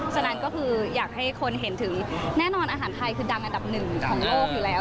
ฉะนั้นก็คืออยากให้คนเห็นถึงแน่นอนอาหารไทยคือดังอันดับหนึ่งของโลกอยู่แล้ว